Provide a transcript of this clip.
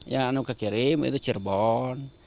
yang kakirim itu cirebon